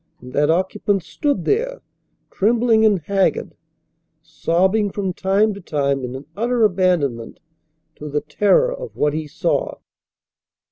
And that occupant stood there, trembling and haggard, sobbing from time to time in an utter abandonment to the terror of what he saw.